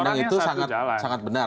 dari sudut pandang itu sangat benar